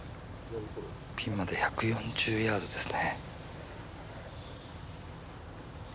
ピンまで１４０ヤードですね。